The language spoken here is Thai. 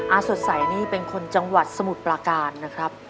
สดใสนี่เป็นคนจังหวัดสมุทรปลาการนะครับ